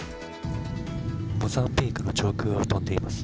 モザンビークの上空を飛んでいます。